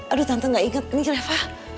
aduh tante ga inget nih reva